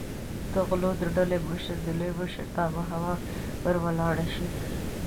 د غلو د ډلې مشر د لوی مشرتابه هوا ور ولاړه شي.